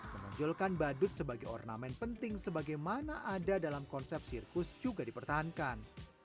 menonjolkan badut sebagai ornamen penting sebagaimana ada dalam konsep sirkus juga dipertahankan